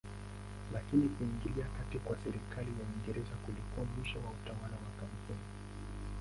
Lakini kuingilia kati kwa serikali ya Uingereza kulikuwa mwisho wa utawala wa kampuni.